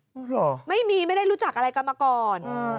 เหรอไม่มีไม่ได้รู้จักอะไรกันมาก่อน